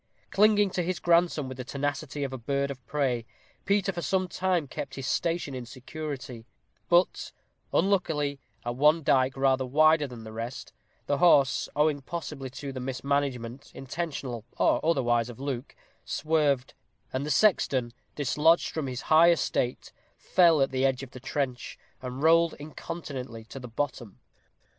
Clinging to his grandson with the tenacity of a bird of prey, Peter for some time kept his station in security; but, unluckily, at one dike rather wider than the rest, the horse, owing possibly to the mismanagement, intentional or otherwise, of Luke, swerved; and the sexton, dislodged from his "high estate," fell at the edge of the trench, and rolled incontinently to the bottom.